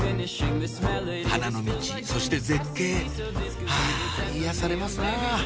花のミチそして絶景はぁ癒やされますなぁ！